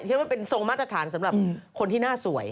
คิดว่าเป็นทรงมาตรฐานสำหรับคนที่หน้าสวย